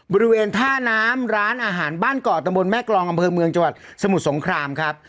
บริเวณท่าน้ำร้านอาหารบ้านเกาะตำบลแม่กรองอำเภอเมืองจังหวัดสมุทรสงครามครับ